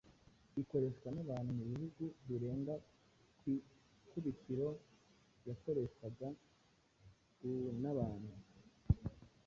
ikorehwa nabantu mu bihugu birenga Ku ikubitiro, yakorehwaga gua nabantu